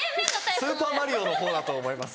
『スーパーマリオ』のほうだと思います。